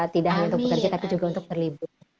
tidak hanya untuk pekerja tapi juga untuk berlibur